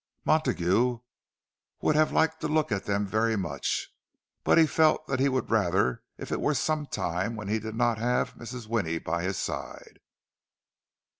Montague would have liked to look at them very much; but he felt that he would rather it were some time when he did not have Mrs. Winnie by his side.